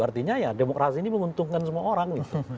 artinya ya demokrasi ini menguntungkan semua orang gitu